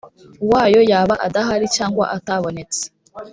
wayo yaba adahari cyangwa atabonetse